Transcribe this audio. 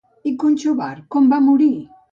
I Conchobar com va morir?